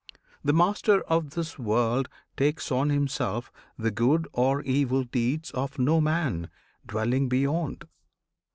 The Master of this World Takes on himself the good or evil deeds Of no man dwelling beyond!